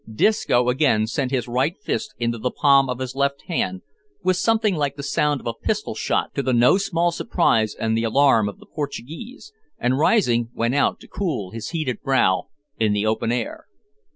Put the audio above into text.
Disco again sent his right fist into the palm of his left hand, with something like the sound of a pistol shot to the no small surprise and alarm of the Portuguese, and, rising, went out to cool his heated brow in the open air.